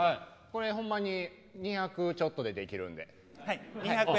これ、ほんまに２００円ちょっとでできるんで。